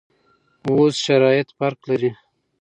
اوس شرایط فرق لري.